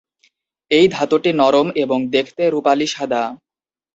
এই ধাতুটি নরম এবং দেখতে রুপালি সাদা।